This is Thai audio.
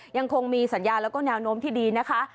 ยังคงมีสัญญาแล้วก็แนวโน้มที่ดีนะคะ